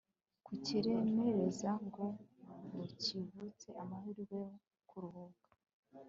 kukiremereza ngo mukivutse amahirwe yo kuruhuka